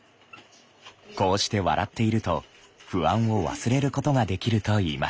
こうして笑っていると不安を忘れることができるといいます。